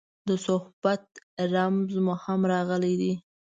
د صحبت رموز هم راغلي دي.